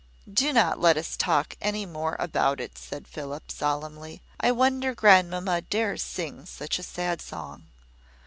"Do not let us talk any more about it," said Philip, solemnly. "I wonder grandmamma dares sing such a sad song."